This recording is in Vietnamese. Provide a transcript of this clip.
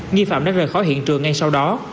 nghi phạm đã rời khỏi hiện trường ngay sau đó